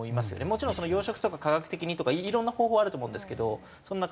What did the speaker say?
もちろん養殖とか科学的にとかいろんな方法あると思うんですけどその中の一つで。